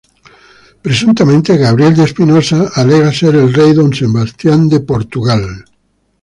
Presuntamente Gabriel de Espinosa alega ser el Rey Don Sebastián de Portugal.